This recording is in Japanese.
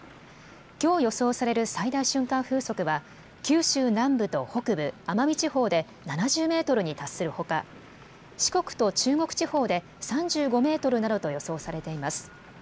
きょう予想される最大瞬間風速は、九州南部と北部、奄美地方で７０メートルに達するほか、四国と中国地方で３５メートルなどと予想されています。